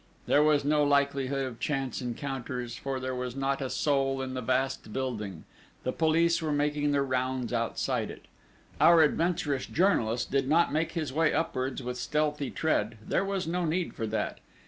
There was no likelihood of chance encounters, for there was not a soul in the vast building: the police were making their rounds outside it. Our adventurous journalist did not make his way upwards with stealthy tread there was no need for that.